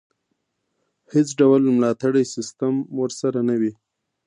هېڅ ډول ملاتړی سیستم ورسره نه وي.